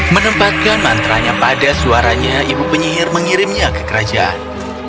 menempatkan mantranya pada suaranya ibu penyihir mengirimnya ke kerajaan